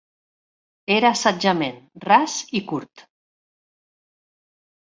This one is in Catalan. Era assetjament, ras i curt.